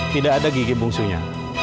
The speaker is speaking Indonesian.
tidak ada gigi bungsunya